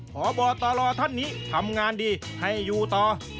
ห่อบ่อต่อรอท่านนี้ทำงานดีให้ยูต่อ